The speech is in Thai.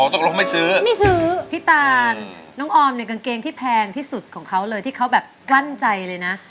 ตกลงไม่ซื้อไม่ซื้อพี่ตานน้องออมเนี่ยกางเกงที่แพงที่สุดของเขาเลยที่เขาแบบกลั้นใจเลยนะ